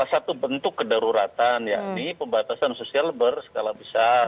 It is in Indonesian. salah satu bentuk kedaruratan yakni pembatasan sosial berskala besar